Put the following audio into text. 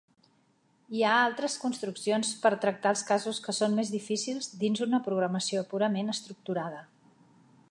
Hi ha altres construccions per tractar els casos que són més difícils dins una programació purament estructurada.